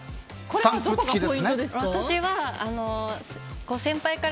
これはどこがポイントですか。